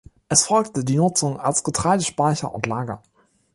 Es folgte die Nutzung als Getreidespeicher und Lager.